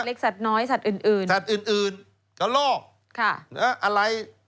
สัตว์น้อยสัตว์อื่นอื่นสัตว์อื่นอื่นกระโลกค่ะนะอะไร